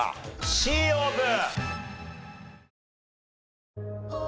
Ｃオープン！